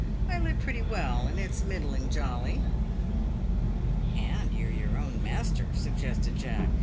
I live pretty well, and it's middling jolly." "And you're your own master," suggested Jack.